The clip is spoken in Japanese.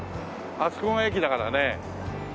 あそこが駅だからね。